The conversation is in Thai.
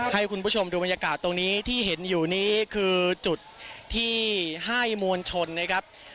ให้คุณผู้ชมดูบรรยากาศตรงนี้ที่เห็นอยู่นี้คือจุดที่ให้มวลชนนะครับ